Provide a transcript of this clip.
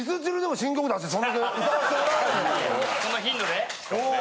そんな頻度で？